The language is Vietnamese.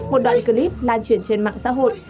một đoạn clip lan truyền trên mạng xã hội